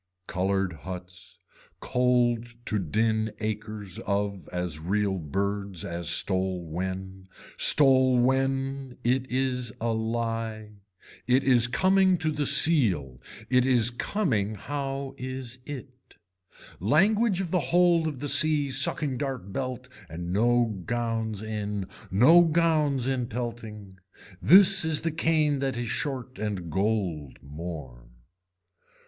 Colored huts, cold to din acres of as real birds as stole when. Stole when, it is a lie. It is coming to the seal, it is coming how is it. Language of the hold of the sea sucking dart belt and no gowns in, no gowns in pelting. This is the cane that is short and gold more.